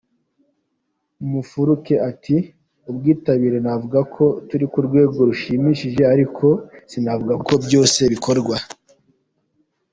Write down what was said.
Mufuluke ati “Ubwitabire navuga ko turi ku rwego rushimishije ariko sinavuga ko byose bikorwa.